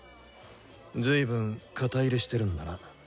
ずいぶん肩入れしてるんだな。